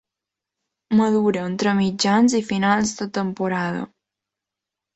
Madura entre mitjans i finals de temporada.